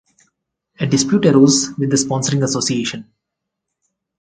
A dispute arose with the sponsoring association.